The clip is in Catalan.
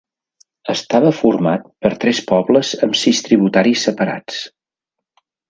Estava format per tres pobles amb sis tributaris separats.